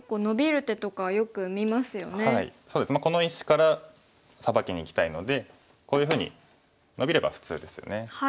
この石からサバキにいきたいのでこういうふうにノビれば普通ですよね。